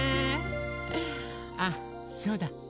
あそうだ。